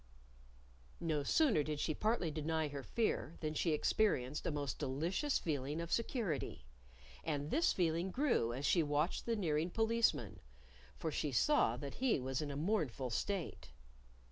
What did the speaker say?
No sooner did she partly deny her fear than she experienced a most delicious feeling of security! And this feeling grew as she watched the nearing Policeman. For she saw that he was in a mournful state.